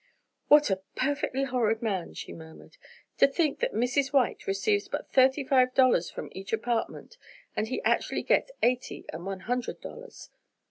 "What a perfectly horrid man," she murmured. "To think that Mrs. White receives but thirty five dollars from each apartment and he actually gets eighty and one hundred dollars!